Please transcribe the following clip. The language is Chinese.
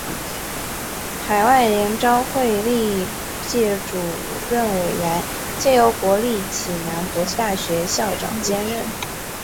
海外联招会历届主任委员皆由国立暨南国际大学校长兼任。